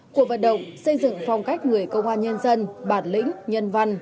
cuộc vận động xây dựng phong cách người công an nhân dân bản lĩnh nhân văn